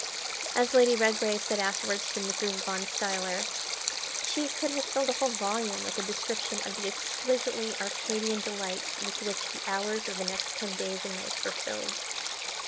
As Lady Redgrave said afterwards to Mrs. Van Stuyler, she could have filled a whole volume with a description of the exquisitely arcadian delights with which the hours of the next ten days and nights were filled.